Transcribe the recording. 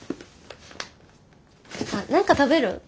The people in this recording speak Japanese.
あっ何か食べる？